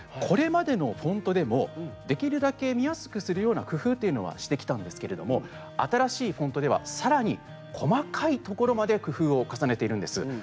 これまでのフォントでもできるだけ見やすくするような工夫というのはしてきたんですけれども新しいフォントではさらに細かいところまで工夫を重ねているんです。